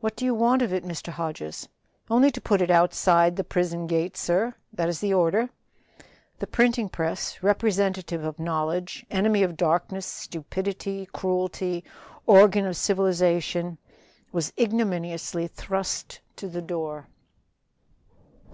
"What do you want of it, Mr. Hodges?" "Only to put it outside the prison gate, sir. That is the order." The printing press, representative of knowledge, enemy of darkness, stupidity, cruelty; organ of civilization was ignominiously thrust to the door.